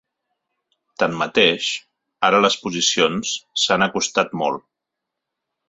Tanmateix, ara les posicions s’han acostat molt.